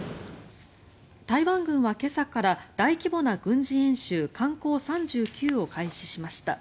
台湾軍は今朝から大規模な軍事演習漢光３９を開始しました。